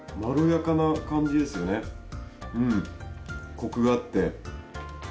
コクがあって。